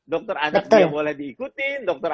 dokter anak dia boleh diikuti dokter